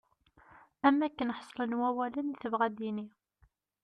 Am wakken ḥeslen wawalen i tebɣa ad d-tini.